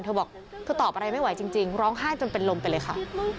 เธอบอกเธอตอบอะไรไม่ไหวจริงร้องไห้จนเป็นลมไปเลยค่ะ